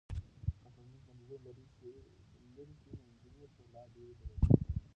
که ټولنیز بندیزونه لرې شي نو نجونې به لا ډېرې بریالۍ شي.